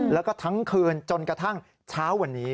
แล้วก็ทั้งคืนจนกระทั่งเช้าวันนี้